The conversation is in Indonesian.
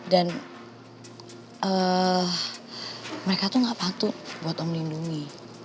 dan mereka tuh gak patut buat om lindungi